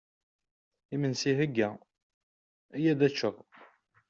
Iminsi ihegga, iyya ad teččeḍ!